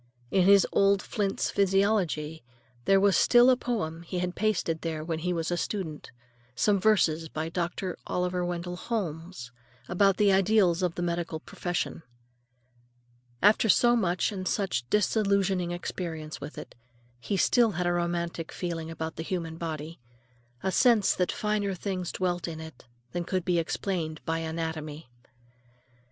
In his old Flint's Physiology there was still a poem he had pasted there when he was a student; some verses by Dr. Oliver Wendell Holmes about the ideals of the medical profession. After so much and such disillusioning experience with it, he still had a romantic feeling about the human body; a sense that finer things dwelt in it than could be explained by anatomy.